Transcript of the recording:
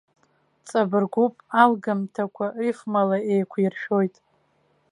Ҵабыргуп, алгамҭақәа рифмала еиқәиршәоит.